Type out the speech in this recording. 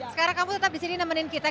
sekarang kamu tetap disini nemenin kita